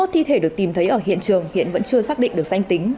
bốn mươi một thi thể được tìm thấy ở hiện trường hiện vẫn chưa xác định được danh tính